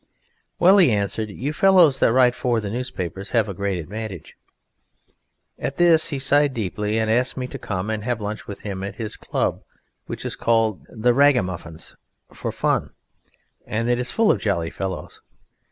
"Well," he answered, "you fellows that write for the newspapers have a great advantage ...!" At this he sighed deeply, and asked me to come and have lunch with him at his club, which is called "The Ragamuffins" for fun, and is full of jolly fellows.